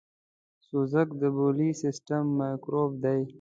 سوزک دبولي سیستم میکروب دی .